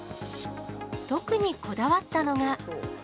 特にこだわったのが。